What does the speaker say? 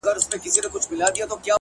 اوس په ځان پوهېږم چي مين يمه.